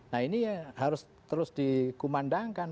nah ini harus terus dikumandangkan